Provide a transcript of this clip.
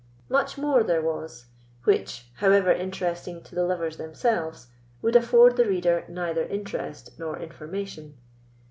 Much more there was, which, however interesting to the lovers themselves, would afford the reader neither interest nor information.